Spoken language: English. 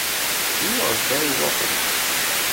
You are very welcome.